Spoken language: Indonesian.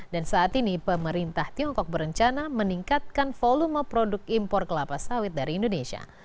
dan saat ini pemerintah tiongkok berencana meningkatkan volume produk impor kelapa sawit dari indonesia